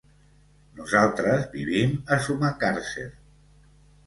Nosaltres vivim a Sumacàrcer.